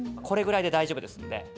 これぐらいで大丈夫ですんで。